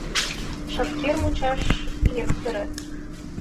Шопкер мучаш яктерет.